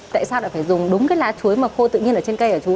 tại sao lại phải dùng đúng cái lá chuối mà khô tự nhiên ở trên cây hả chú